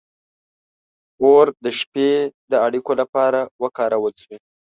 • اور د شپې د اړیکو لپاره وکارول شو.